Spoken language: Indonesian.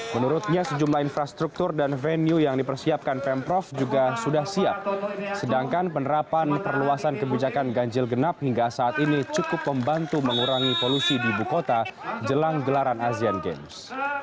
menurutnya sejumlah infrastruktur dan venue yang dipersiapkan pemprov juga sudah siap sedangkan penerapan perluasan kebijakan ganjil genap hingga saat ini cukup membantu mengurangi polusi di ibu kota jelang gelaran asean games